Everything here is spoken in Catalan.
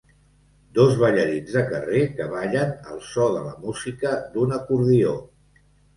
Dos ballarins de carrer que ballen al so de la música d'un acordió.